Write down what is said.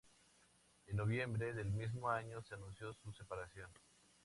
En noviembre del mismo año se anunció su separación.